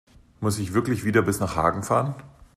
Muss ich wirklich wieder bis nach Hagen fahren?